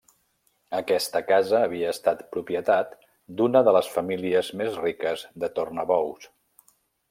Aquesta casa havia estat propietat d'una de les famílies més riques de Tornabous.